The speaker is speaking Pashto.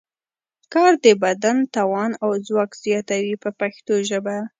کار د بدن توان او ځواک زیاتوي په پښتو ژبه.